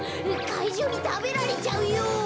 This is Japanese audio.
かいじゅうにたべられちゃうよ。